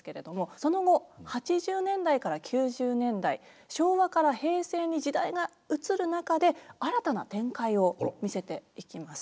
その後８０年代から９０年代昭和から平成に時代が移る中で新たな展開を見せていきます。